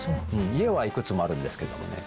家はいくつもあるんですね。